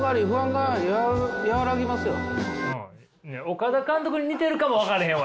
岡田監督に似てるかも分からへんわ！